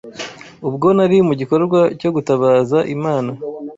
Ubwo nari mu gikorwa cyo gutabaza Imana